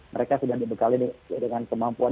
mereka sudah dibekali dengan kemampuan